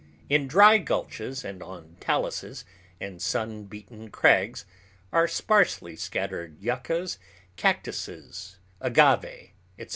In dry gulches and on taluses and sun beaten crags are sparsely scattered yuccas, cactuses, agave, etc.